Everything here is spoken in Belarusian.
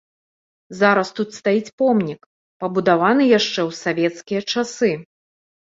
Зараз тут стаіць помнік, пабудаваны яшчэ ў савецкія часы.